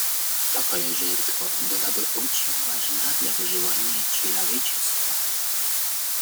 Такая жертва была бы очень важна для выживания человечества.